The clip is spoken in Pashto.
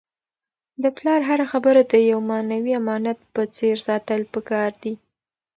د پلار هره خبره د یو معنوي امانت په څېر ساتل پکار دي.